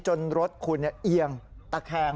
จนรถคุณเนี่ยเอียงตะแคง